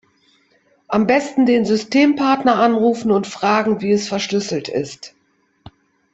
Am Besten den Systempartner anrufen und fragen wie es verschlüsselt ist.